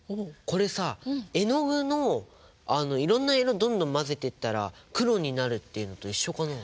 これさ絵の具のいろんな色どんどん混ぜていったら黒になるっていうのと一緒かな？